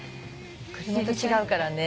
車と違うからね。